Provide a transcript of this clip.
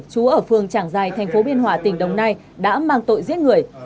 chú ở phường tràng giai tp biên hòa tỉnh đồng nai đã mang tội giết người